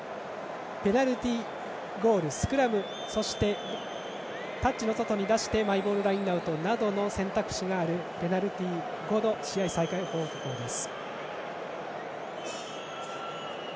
ペナルティーゴール、スクラムそしてタッチの外に出してマイボールラインアウトなどの選択肢があるペナルティー後の試合再開方法です。